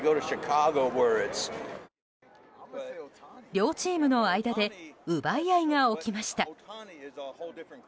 両チームの間で奪い合いが起きました。